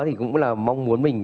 thì cũng là mong muốn mình